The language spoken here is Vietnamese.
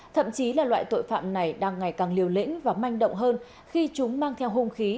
thậm chí là loại tội phạm này đang ngày càng liều lĩnh và manh động hơn khi chúng mang theo hung khí